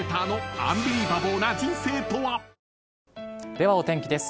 ではお天気です。